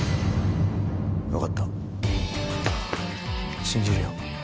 分かった信じるよ。